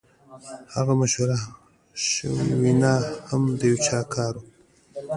هغه مشهوره شوې وینا هم د یو چا کار و